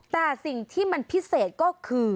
แต่สิ่งที่มันพิเศษก็คือ